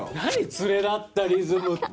「連れだったリズム」って。